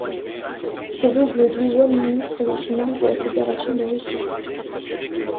C'est donc le douzième ministre des Finances de la Fédération de Russie.